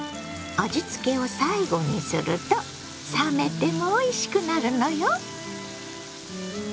味付けを最後にすると冷めてもおいしくなるのよ！